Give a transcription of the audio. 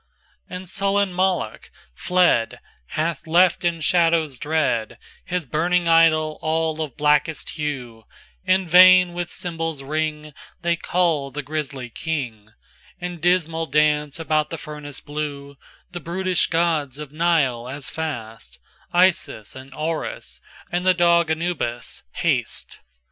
XXIIIAnd sullen Moloch, fled, Hath left in shadows dreadHis burning idol all of blackest hue; In vain with cymbals' ringThey call the grisly king, In dismal dance about the furnace blue; The brutish gods of Nile as fast, Isis, and Orus, and the dog Anubis, haste.